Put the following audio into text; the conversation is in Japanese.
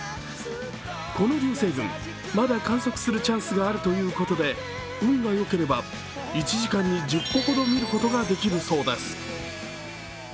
この流星群、まだ観測するチャンスがあるということで、運がよければ１時間に１０個ほど見ることができるそうです。